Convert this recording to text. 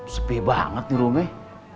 sepi banget di rumah